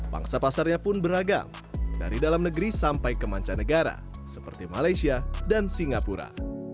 bangsa pasarnya pun beragam dari dalam negeri sampai ke mancanegara seperti malaysia dan singapura